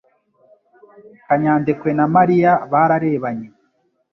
Kanyadekwe na Mariya bararebanye.